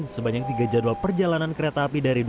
sebanyak tiga jadwal perjalanan kereta api jauh dan jauh jauh